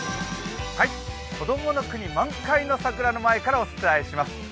こどもの国満開の桜の前からお伝えします。